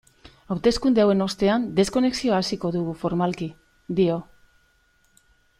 Hauteskunde hauen ostean deskonexioa hasiko dugu formalki, dio.